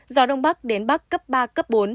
gió đông bắc đến bắc cấp ba cấp bốn